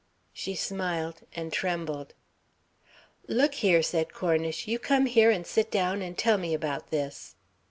She smiled, and trembled. "Look here," said Cornish, "you come here and sit down and tell me about this."